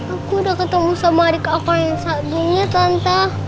aku udah ketemu sama adik aku yang sagunya tante